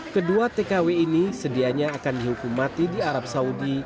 kedua tkw ini sedianya akan dihukum mati di arab saudi